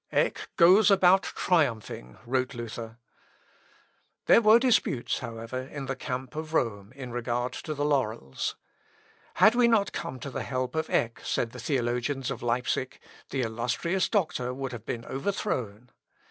"Eck goes about triumphing," wrote Luther. There were disputes, however, in the camp of Rome, in regard to the laurels. "Had we not come to the help of Eck," said the theologians of Leipsic, "the illustrious doctor would have been overthrown."